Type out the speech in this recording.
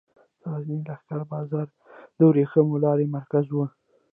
د غزني لښکر بازار د ورېښمو لارې مرکز و